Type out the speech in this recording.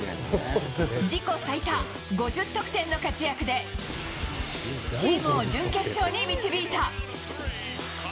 自己最多、５０得点の活躍で、チームを準決勝に導いた。